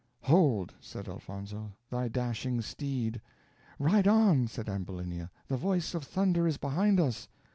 "Hold," said Elfonzo, "thy dashing steed." "Ride on," said Ambulinia, "the voice of thunder is behind us."